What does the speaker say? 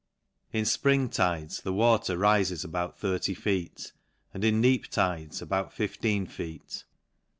In fpring tides, the water rifes about thirty feet ; and in neap tides, about fifteen feet.